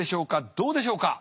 どうでしょうか？